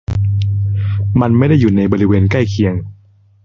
มันไม่ได้อยู่ในบริเวณใกล้เคียง